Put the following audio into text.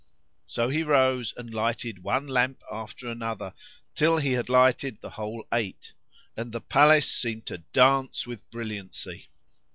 So he rose and lighted one lamp after another, till he had lighted the whole eight and the palace seemed to dance with brilliancy.